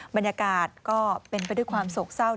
บรรยากาศก็เป็นไปด้วยความโศกเศร้า